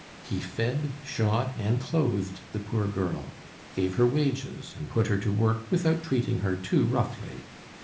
He fed, shod, and clothed the poor girl, gave her wages, and put her to work without treating her too roughly.